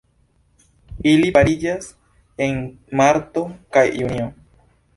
Ili pariĝas en marto kaj junio.